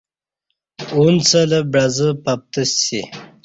ا نڅہ لہ بعزہ پَپتسی